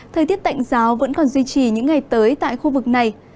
thời tiết tạnh giáo vẫn còn duy trì những ngày tới tại khu vực này